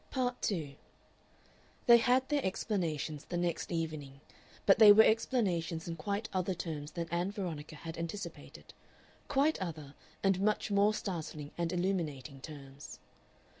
Part 2 They had their explanations the next evening, but they were explanations in quite other terms than Ann Veronica had anticipated, quite other and much more startling and illuminating terms.